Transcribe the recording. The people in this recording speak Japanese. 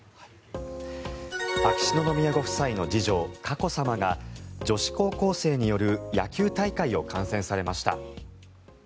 秋篠宮ご夫妻の次女佳子さまが女子高校生による野球大会を観戦されました。